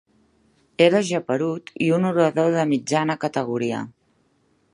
Era geperut i un orador de mitjana categoria.